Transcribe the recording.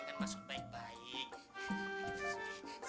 dengan maksud baik baik